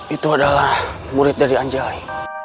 itu adalah murid dari anjay